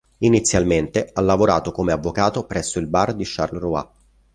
Inizialmente ha lavorato come avvocato presso il Bar di Charleroi.